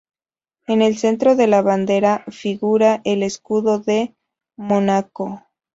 En el centro de la bandera figura el escudo de Mónaco.